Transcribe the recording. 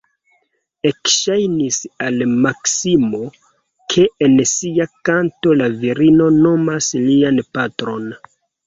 Ekŝajnis al Maksimo, ke en sia kanto la virino nomas lian patron.